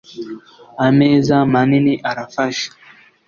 ameza manini arafasha.